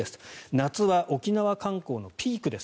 夏は沖縄観光のピークです。